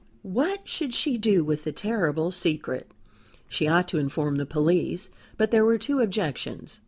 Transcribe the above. WHAT should she do with the terrible secret? She ought to inform the police. But there were two objections.